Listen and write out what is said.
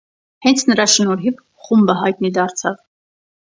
Հենց նրա շնորհիվ խումբը հայտնի դարձավ։